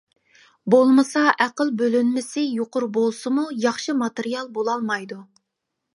بولمىسا ئەقىل بۆلۈنمىسى يۇقىرى بولسىمۇ ياخشى ماتېرىيال بولالمايدۇ.